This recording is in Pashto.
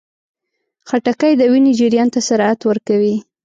خټکی د وینې جریان ته سرعت ورکوي.